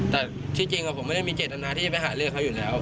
แต่ที่จริงผมไม่ได้มีเจตนาที่จะไปหาเรื่องเขาอยู่แล้ว